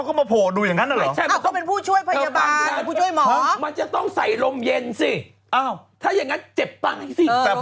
หรือผู้ชายไม่ผู้ชายก็ไม่ส๗๘